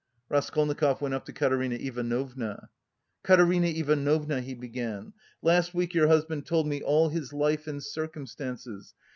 Raskolnikov went up to Katerina Ivanovna. "Katerina Ivanovna," he began, "last week your husband told me all his life and circumstances....